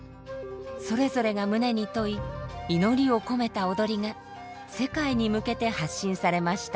それぞれが胸に問い祈りを込めた踊りが世界に向けて発信されました。